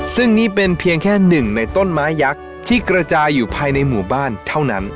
ซึ่งนี่เป็นเพียงแค่หนึ่งในต้นไม้ยักษ์ที่กระจายอยู่ภายในหมู่บ้านเท่านั้น